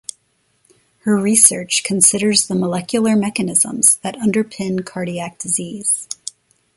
Her research considers the molecular mechanisms that underpin cardiac disease.